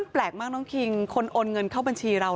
แปลกมากน้องคิงคนโอนเงินเข้าบัญชีเรา